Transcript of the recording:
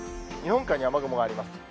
日本海に雨雲があります。